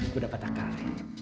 gue dapet akal